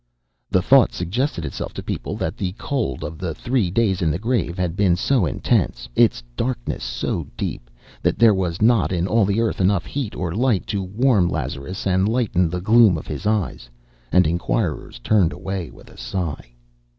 The thought suggested itself to people that the cold of the three days in the grave had been so intense, its darkness so deep, that there was not in all the earth enough heat or light to warm Lazarus and lighten the gloom of his eyes; and inquirers turned away with a sigh.